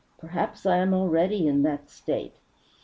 Perhaps I am already in that state.